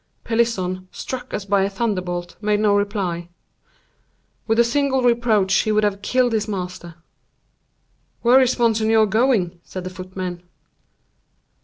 Pelisson, struck as by a thunderbolt, made no reply. With a single reproach he would have killed his master. "Where is monseigneur going?" said the footman.